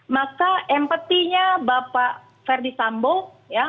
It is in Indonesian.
maka empatinya bapak ferdisambo ya